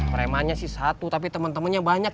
premannya sih satu tapi temen temennya banyak